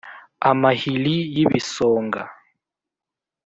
amahili y’ibisonga